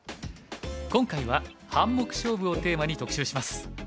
今回は「半目勝負」をテーマに特集します。